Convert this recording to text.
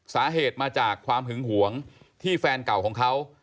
สาเหตุมาจากความหึงหวงที่แฟนเก่าของเขา